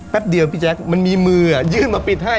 เดียวพี่แจ๊คมันมีมือยื่นมาปิดให้